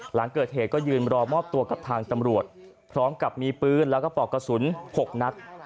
หลังเกิดเหตุก็ยืนรอมอบตัวกับทางตำรวจพร้อมกับมีปืนแล้วก็ปอกกระสุน๖นัด